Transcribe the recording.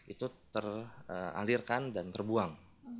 itu teralirkan dan terbuang